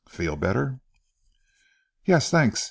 Feel better?" "Yes, thanks.